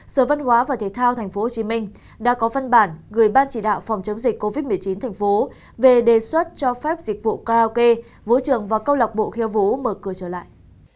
sở văn hóa và thể thao tp hcm đã có văn bản gửi ban chỉ đạo phòng chống dịch covid một mươi chín tp về đề xuất cho phép dịch vụ karaoke vũ trường và câu lạc bộ khiêu vũ mở cửa trở lại